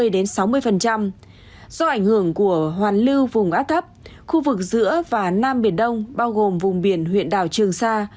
do ảnh hưởng của hoàn lưu vùng áp thấp khu vực giữa và nam biển đông bao gồm vùng biển huyện đảo trường sa